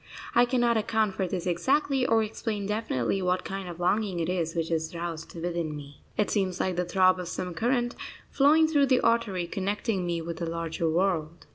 I cannot account for this exactly, or explain definitely what kind of longing it is which is roused within me. It seems like the throb of some current flowing through the artery connecting me with the larger world.